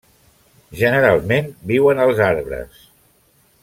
Generalment viuen als arbres.